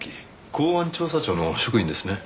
公安調査庁の職員ですね。